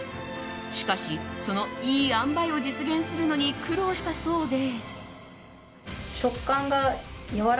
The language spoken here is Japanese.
しかし、そのいい塩梅を実現するのに苦労したそうで。